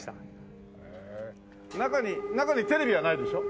中に中にテレビはないでしょ？